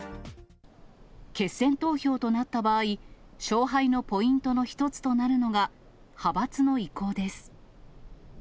決選投票となった場合、勝敗のポイントの一つとなるのが、派閥の意向です。